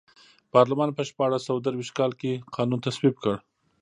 پارلمان په شپاړس سوه درویشت کال کې قانون تصویب کړ.